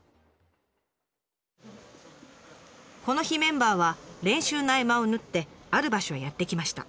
この日メンバーは練習の合間を縫ってある場所へやって来ました。